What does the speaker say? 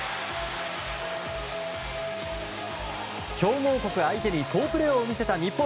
強豪国相手に好プレーを見せた日本。